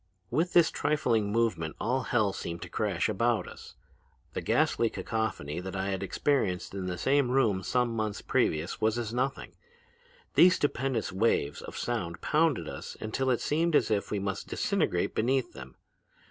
"With this trifling movement all hell seemed to crash about us. The ghastly cacophony that I had experienced in the same room some months previously was as nothing. These stupendous waves of sound pounded us until it seemed as if we must disintegrate beneath them.